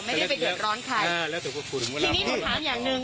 ไม่ได้ไปเดินร้อนใครอ่าแล้วแต่พวกคุณว่าเราทีนี้ผมถามอย่างหนึ่ง